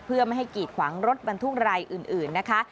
เพื่อไม่ให้กีดขวางรถบรรทุกรายอื่นนะคะ